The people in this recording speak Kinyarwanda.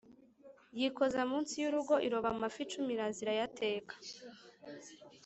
yikoza munsi y’urugo iroba amafi cumi iraza irayateka